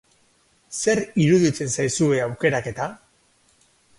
Zer iruditzen zaizue aukeraketa?